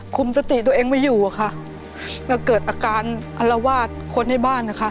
คุมสติตัวเองไม่อยู่อะค่ะแล้วเกิดอาการอลวาดคนในบ้านนะคะ